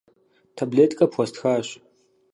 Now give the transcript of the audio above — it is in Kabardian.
Таблеткэ пхуэстхащ.